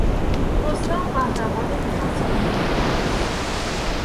رستم قهرمان حماسهای ایران است.